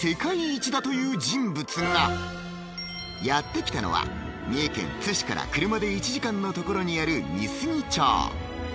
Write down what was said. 料理をやって来たのは三重県津市から車で１時間のところにある美杉町